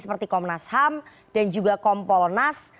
seperti komnas ham dan juga kompolnas